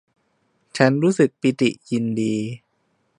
ฉันรู้สึกปิติยินดี